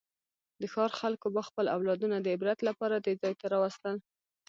د ښار خلکو به خپل اولادونه د عبرت لپاره دې ځای ته راوستل.